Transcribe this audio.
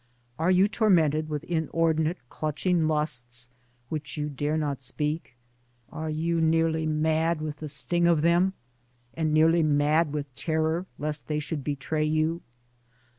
Are you tormented with inordinate clutching lusts which you dare not speak? are you nearly mad with the sting of them, and nearly mad with terror lest they should betray you?